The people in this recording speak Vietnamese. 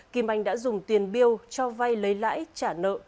kim anh đã dùng tiền biêu cho vay lấy lãi trả nợ